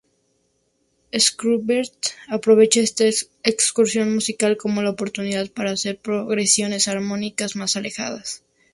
Schubert aprovecha esta "excursión musical" como una oportunidad para hacer progresiones armónicas más alejadas.